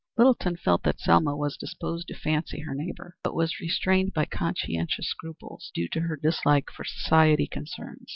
Littleton felt that Selma was disposed to fancy her neighbor, but was restrained by conscientious scruples due to her dislike for society concerns.